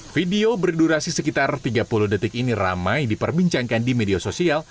video berdurasi sekitar tiga puluh detik ini ramai diperbincangkan di media sosial